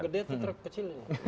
terus gede itu truk kecil